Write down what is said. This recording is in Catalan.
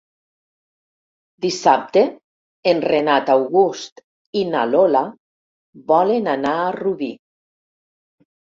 Dissabte en Renat August i na Lola volen anar a Rubí.